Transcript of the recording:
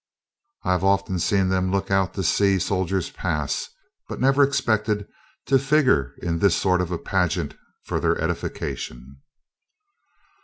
I've often seen them look out to see soldiers pass, but never expected to figure in this sort of a pageant for their edification.